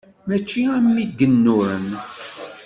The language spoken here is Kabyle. Mačči am yigennuren.